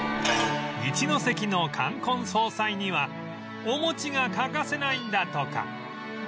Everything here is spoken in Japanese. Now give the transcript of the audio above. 一関の冠婚葬祭にはお餅が欠かせないんだとか